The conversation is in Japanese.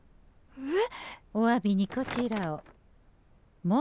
えっ。